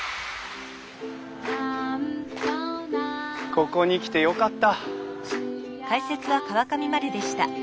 ここに来てよかった。